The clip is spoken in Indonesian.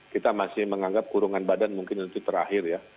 kita masih menganggap kurungan badan mungkin itu terakhir ya